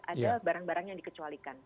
ada barang barang yang dikecualikan